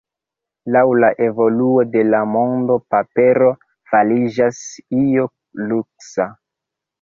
Laŭ la evoluo de la mondo papero fariĝas io luksa.